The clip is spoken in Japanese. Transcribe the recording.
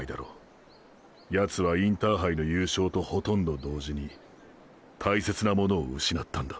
ヤツはインターハイの優勝とほとんど同時に大切なものを失ったんだ。